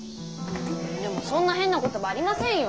でもそんな変な言葉ありませんよ。